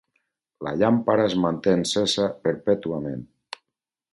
La llampara es manté encesa perpètuament.